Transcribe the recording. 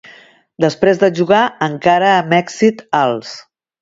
Després de jugar encara amb èxit als